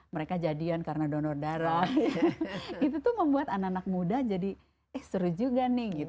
mereka jadian karena donor darah itu tuh membuat anak anak muda jadi eh seru juga nih